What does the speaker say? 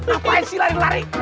apaan sih lari lari